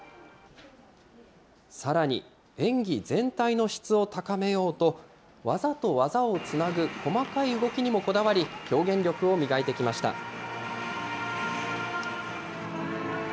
さらに、演技全体の質を高めようと、技と技をつなぐ細かい動きにもこだわり、表現力を磨いてきました。